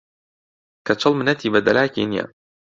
کەچەڵ منەتی بە دەلاکی نییە